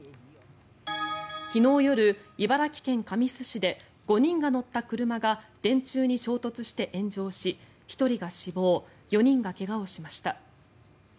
昨日夜、茨城県神栖市で５人が乗った車が電柱に衝突して炎上し１人が死亡４人が怪我をしました。